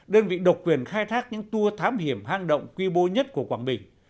đơn vị độc quyền khai thác những tour thám hiểm hang động quy mô nhất của quảng bình